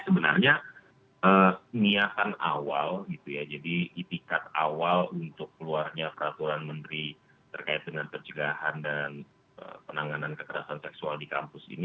sebenarnya niatan awal gitu ya jadi itikat awal untuk keluarnya peraturan menteri terkait dengan pencegahan dan penanganan kekerasan seksual di kampus ini